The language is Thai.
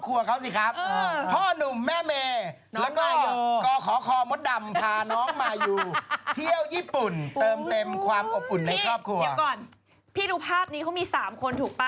ความอบอุ่นในครอบครัวพี่เดี๋ยวก่อนพี่ดูภาพนี้เขามี๓คนถูกป่ะ